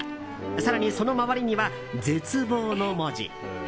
更に、その周りには絶望の文字。